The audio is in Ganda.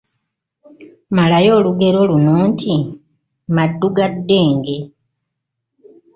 Malayo olugero luno nti: Maddu ga ddenge,……